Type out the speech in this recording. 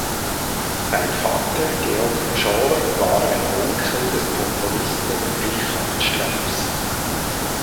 Sein Vater Georg Pschorr war ein Onkel des Komponisten Richard Strauss.